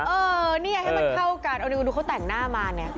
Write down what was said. เออนี่ไงให้มันเข้ากันเอานิวดูเขาแต่งหน้ามาเนี่ย